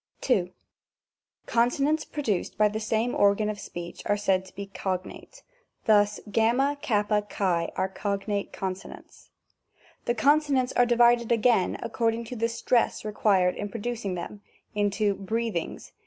2. Consonants produced by the same organ of speech are said to be cognate. Thus y, Xy x ^^ ^^g" nate consonants. 3. The consonants are divided again, according to the stress required in pronouncing them, into Breathmgs.